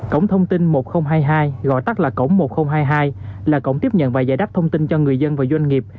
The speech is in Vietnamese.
cổng thông tin một nghìn hai mươi hai gọi tắt là cổng một nghìn hai mươi hai là cổng tiếp nhận và giải đáp thông tin cho người dân và doanh nghiệp